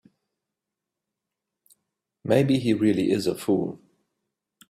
Maybe he really is a fool.